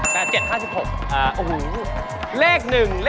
เลข๑เหล็ก๒เลข๓